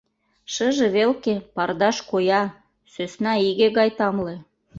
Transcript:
Шыже велке пардаш коя, сӧсна иге гай тамле.